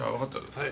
はい。